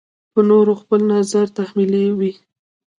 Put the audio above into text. په نورو خپل نظر تحمیلوي.